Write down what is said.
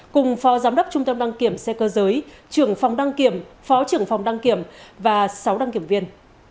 cùng phó giám đốc trung tâm đăng kiểm xe cơ giới trưởng phòng đăng kiểm phó trưởng phòng đăng kiểm và sáu đăng kiểm viên